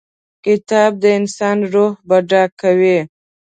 کتاب د انسان روح بډای کوي.